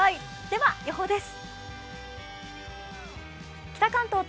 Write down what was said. では、予報です。